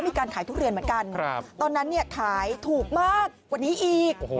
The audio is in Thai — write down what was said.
มีการขายทุเรียนเหมือนกันตอนนั้นเนี่ยขายถูกมากกว่านี้อีก